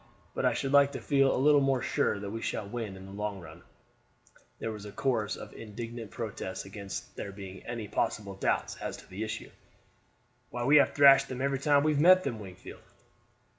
But I should like to feel a little more sure that we shall win in the long run." There was a chorus of indignant protests against there being any possible doubts as to the issue. "Why, we have thrashed them every time we have met them, Wingfield."